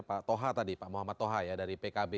pak toha tadi pak muhammad toha ya dari pkb